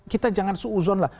kita jangan seuzonlah